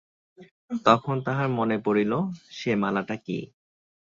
তখন তাহার মনে পড়িল, সে মালাটা কী।